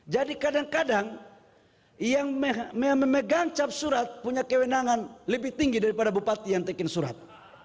jadi kadang kadang yang memegang cap surat punya kewenangan lebih tinggi daripada bupati yang teken surat